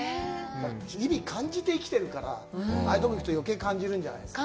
日々感じて生きているから、ああいうところに行くと、余計感じるんじゃないですか。